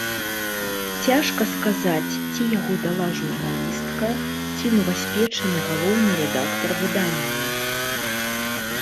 Цяжка сказаць, ці яго дала журналістка, ці новаспечаны галоўны рэдактар выдання.